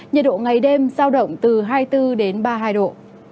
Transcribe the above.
nhiệt độ ngày đêm giao động từ hai mươi bốn đến ba mươi hai độ